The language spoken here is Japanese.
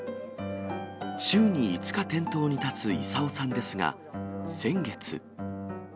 週に５日、店頭に立つ功さんですが、先月。